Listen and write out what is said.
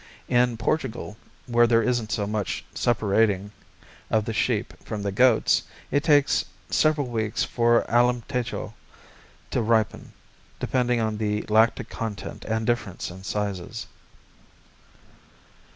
In Portugal, where there isn't so much separating of the sheep from the goats, it takes several weeks for Alemtejos to ripen, depending on the lactic content and difference in sizes.